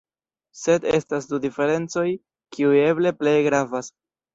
Sed estas du diferencoj kiuj eble plej gravas.